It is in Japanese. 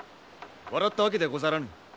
笑ったわけではござらぬ。